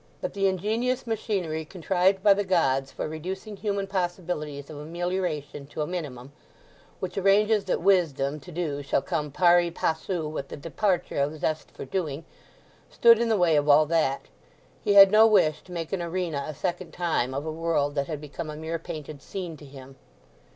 But the ingenious machinery contrived by the Gods for reducing human possibilities of amelioration to a minimum—which arranges that wisdom to do shall come pari passu with the departure of zest for doing—stood in the way of all that. He had no wish to make an arena a second time of a world that had become a mere painted scene to him.